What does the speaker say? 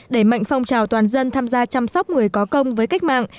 đẩy mạnh phong trào toàn dân tham gia chăm sóc người có công với cách mạng